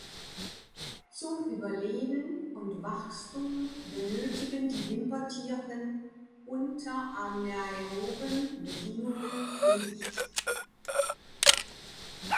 Zum Überleben und Wachstum benötigen die Wimpertierchen unter anaeroben Bedingungen Licht.